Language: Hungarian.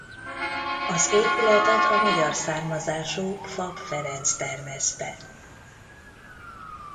Az épületet a magyar származású Pfaff Ferenc tervezte.